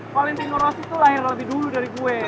valentino rossi tuh lahir lebih dulu dari gue